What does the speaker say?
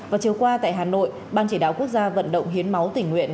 và chiều qua tại hà nội ban chỉ đạo quốc gia vận động hiến máu tỉnh nguyện